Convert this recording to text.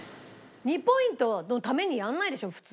２ポイントのためにやらないでしょ普通。